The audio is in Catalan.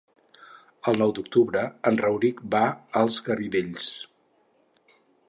El nou d'octubre en Rauric va als Garidells.